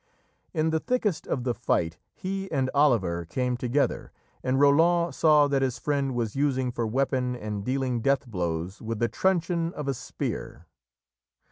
In the thickest of the fight he and Oliver came together, and Roland saw that his friend was using for weapon and dealing death blows with the truncheon of a spear.